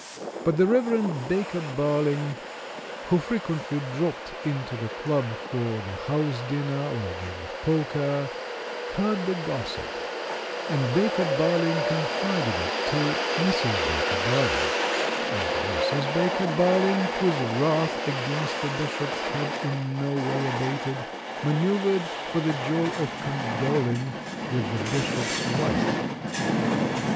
But the Rev. Baker Barling, who frequently dropped into the Club for the house dinner, or a game of poker, heard the gossip; and Baker Barling confided it to Mrs. Baker Barling; and Mrs. Baker Barling, whose wrath against the Bishop had in no way abated, manoeuvered for the joy of condoling with the Bishop's wife.